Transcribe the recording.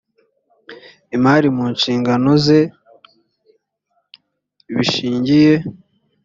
imari mu nshingano ze bishingiye